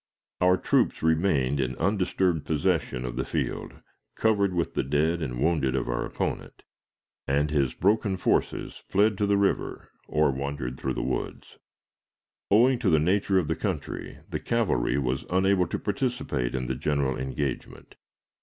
Our troops remained in undisturbed possession of the field, covered with the dead and wounded of our opponent; and his broken forces fled to the river or wandered through the woods. Owing to the nature of the country, the cavalry was unable to participate in the general engagement.